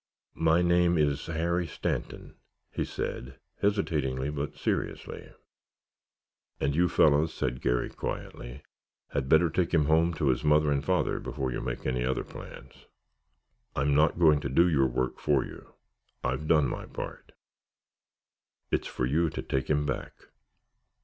"My name is Harry Stanton," he said, hesitatingly, but seriously. "And you fellows," said Garry quietly, "had better take him home to his mother and father before you make any other plans. I'm not going to do your work for you. I've done my part. It's for you to take him back.